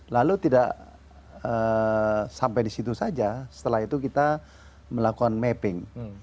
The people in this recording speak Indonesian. lalu tidak sampai di situ saja setelah itu kita melakukan mapping